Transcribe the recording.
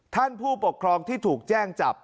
ผู้ปกครองที่ถูกแจ้งจับ